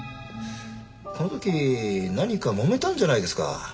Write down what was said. この時何かもめたんじゃないですか？